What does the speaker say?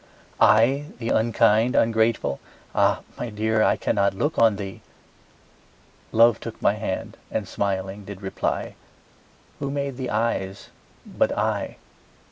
I the unkind, ungrateful? Ah my dear, I cannot look on thee. Love took my hand, and smiling did reply, Who made the eyes but I?